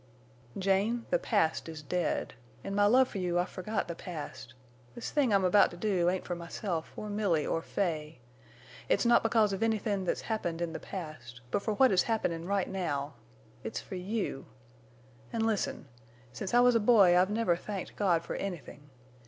"Jane, the past is dead. In my love for you I forgot the past. This thing I'm about to do ain't for myself or Milly or Fay. It's not because of anythin' that ever happened in the past, but for what is happenin' right now. It's for you!... An' listen. Since I was a boy I've never thanked God for anythin'.